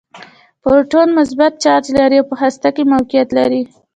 پروټون مثبت چارچ لري او په هسته کې موقعیت لري.